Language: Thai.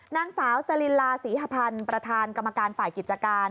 นางสาวสลินลาศรีหพันธ์ประธานกรรมการฝ่ายกิจการ